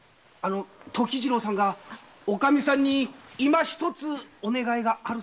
⁉時次郎さんがおかみさんにいま一つお願いがあるそうで。